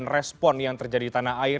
respon yang terjadi di tanah air